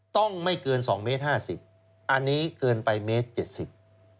ต้องไม่เกิน๒เมตร๕๐อันนี้เกินไปเมตร๗๐